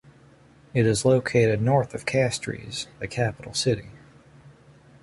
It is located north of Castries, the capital city.